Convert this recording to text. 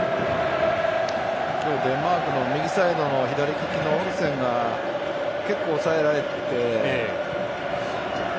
デンマークの右サイドの左利きのオルセンが結構抑えられて。